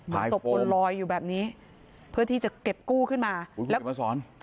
หลายโฟมหลอยอยู่แบบนี้เพื่อที่จะเก็บกู้ขึ้นมาแล้วที่ประสอน